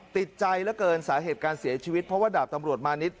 ติดใจเหลือเกินสาเหตุการเสียชีวิตเพราะว่าดาบตำรวจมานิด